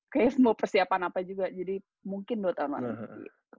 kayaknya mau persiapan apa juga jadi mungkin buat tahun tahun nanti